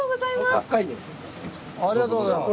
ありがとうございます！